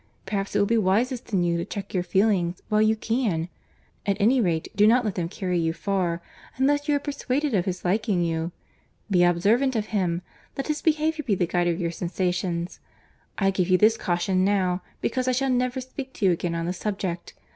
Perhaps it will be wisest in you to check your feelings while you can: at any rate do not let them carry you far, unless you are persuaded of his liking you. Be observant of him. Let his behaviour be the guide of your sensations. I give you this caution now, because I shall never speak to you again on the subject.